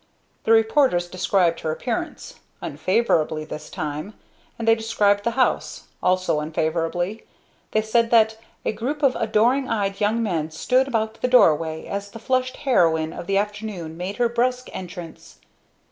The reporters described her appearance unfavorably this time; and they described the house also unfavorably. They said that "A group of adoring eyed young men stood about the doorway as the flushed heroine of the afternoon made her brusque entrance."